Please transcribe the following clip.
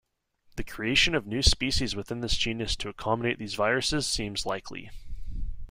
The creation of new species within this genus to accommodate these viruses seems likely.